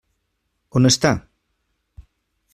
On està?